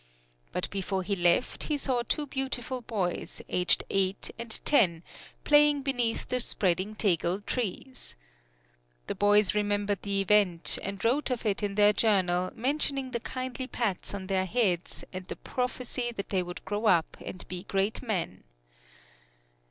But before he left he saw two beautiful boys, aged eight and ten, playing beneath the spreading Tegel trees. The boys remembered the event and wrote of it in their journal, mentioning the kindly pats on their heads and the prophecy that they would grow up and be great men.